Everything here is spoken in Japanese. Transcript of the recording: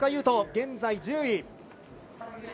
斗、現在１０位。